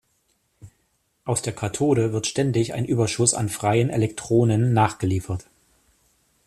Aus der Kathode wird ständig ein Überschuss an freien Elektronen nachgeliefert.